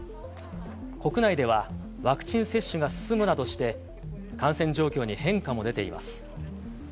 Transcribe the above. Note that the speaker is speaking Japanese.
国内ではワクチン接種が進むなどして、感染状況に変化も出ています。